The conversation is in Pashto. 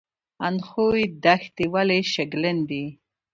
اندخوی دښتې ولې شګلن دي؟